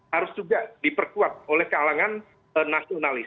harus juga diperkuat oleh kalangan nasionalis